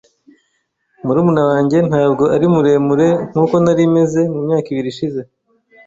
Murumuna wanjye ntabwo ari muremure nkuko nari meze mu myaka ibiri ishize .